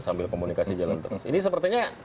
sambil komunikasi jalan terus ini sepertinya